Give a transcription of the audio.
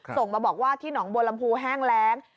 ส่งมาบอกว่าที่หนองบัวลำพูแห้งแรง